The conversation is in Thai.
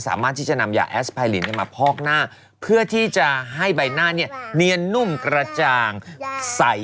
สามารถที่จะนำยาแอสไพรินมาพอกหน้าเพื่อที่จะให้ใบหน้าเนี่ยเนียนนุ่มกระจ่างใส